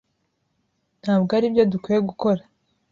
Ntabwo aribyo dukwiye gukora.